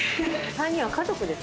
３人は家族です。